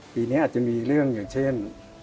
ปีนี้อาจจะมีเรื่องอย่างเช่น